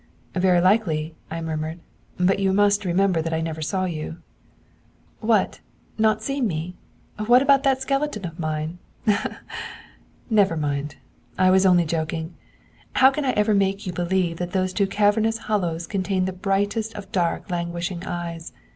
'Very likely,' I murmured. 'But you must remember that I never saw you.' 'What! Not seen me? What about that skeleton of mine? Ha! ha! ha! Never mind. I was only joking. How can I ever make you believe that those two cavernous hollows contained the brightest of dark, languishing eyes?